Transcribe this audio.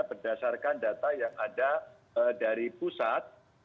berdasarkan data yang ada dari pusat